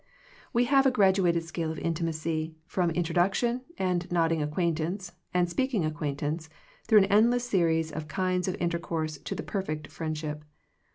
We have a graduated scale of intimacy, from introduction, and nodding ac quaintance, and speaking acquaintance, through an endless series of kinds of intercourse to the perfect friendship.